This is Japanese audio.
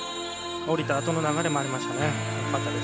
降りたあとの流れもありましたね。